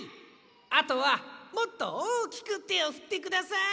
あとはもっとおおきくてをふってください。